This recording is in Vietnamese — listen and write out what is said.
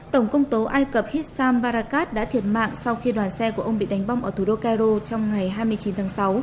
tổng công tố ai cập hitsam varacas đã thiệt mạng sau khi đoàn xe của ông bị đánh bong ở thủ đô cairo trong ngày hai mươi chín tháng sáu